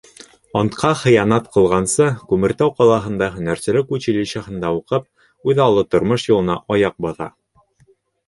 Антҡа хыянат ҡылғансы, Күмертау ҡалаһында һөнәрселек училищеһында уҡып, үҙаллы тормош юлына аяҡ баҫа.